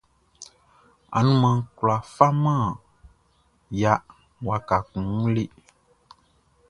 Anumanʼn kwlá faman ya waka kun wun le.